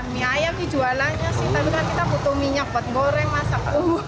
mie ayam nih jualannya sih tapi kan kita butuh minyak buat goreng masak